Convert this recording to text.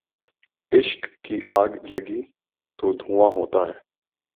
عشق کی آگ لگی ہو تو دھواں ہوتا ہے